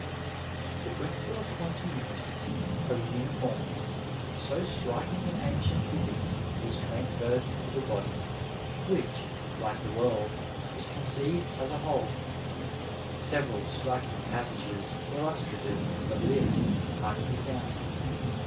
' The principle of continuity, of uniformity, so striking in ancient physics was transferred to the body, which, like the world, was conceived as a whole. Several striking passages illustrative of this are to be found.